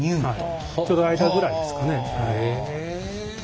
ちょうど間ぐらいですかね。